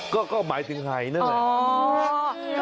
ก็หมายถึงไหนั่นแหละอ๋อ